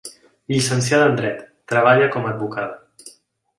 Llicenciada en dret, treballa com a advocada.